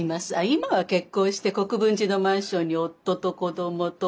今は結婚して国分寺のマンションに夫と子どもと。